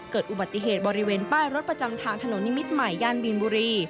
เกิดอุบัติเหตุบริเวณป้ายรถประจำทางถนนนิมิตรใหม่ย่านมีนบุรี